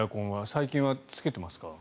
最近はつけてますか？